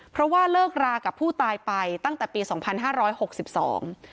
เพราะว่าเลิกรากับผู้ตายไปตั้งแต่ปีสองพันห้าร้อยหกสิบสอง